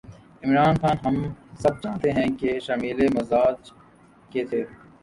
عمران خان، ہم سب جانتے ہیں کہ شرمیلے مزاج کے تھے۔